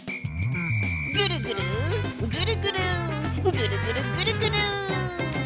「ぐるぐるぐるぐるぐるぐるぐるぐる」